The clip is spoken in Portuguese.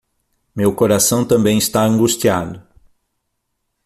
Meu coração também está angustiado